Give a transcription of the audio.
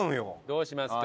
どうしますか？